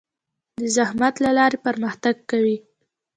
د زحمت له لارې پرمختګ کوي.